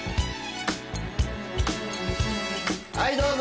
はいどうぞ。